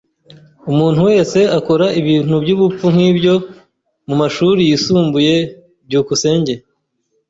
Umuntu wese akora ibintu byubupfu nkibyo mumashuri yisumbuye. byukusenge